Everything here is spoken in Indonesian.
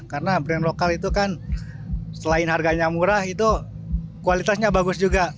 karena brand lokal itu kan selain harganya murah itu kualitasnya bagus juga